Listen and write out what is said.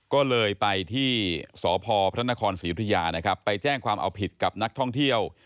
ก็เลยไปที่สพพระนครศรียุธยานะครับไปแจ้งความเอาผิดกับนักท่องเที่ยว